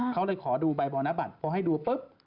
เขาเลยขอดูใบบอน้าบัตร